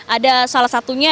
ada salah satunya